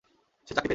সে চাকরি পেয়েছে।